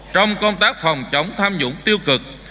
trong công tác phòng chống tham nhũng tiêu cực